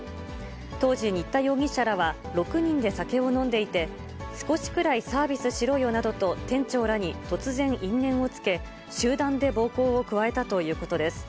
当時、新田容疑者らは６人で酒を飲んでいて、少しくらいサービスしろよなどと、店長らに突然因縁をつけ、集団で暴行を加えたということです。